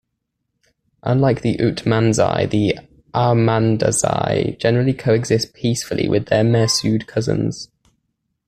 Unlike the Utmanzai, the Ahmadzai generally co-exist peacefully with their Mehsud cousins.